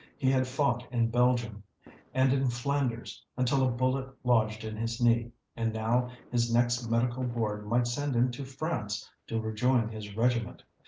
He had fought in Belgium, and in Flanders, until a bullet lodged in his knee, and now his next Medical Board might send him to France to rejoin his regiment.